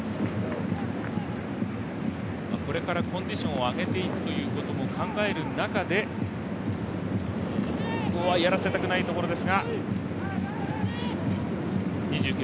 これからコンディションを上げていくということも考える中でここはやらせたくないところですが。